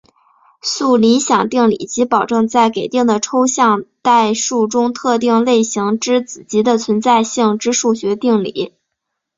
素理想定理即保证在给定的抽象代数中特定类型之子集的存在性之数学定理。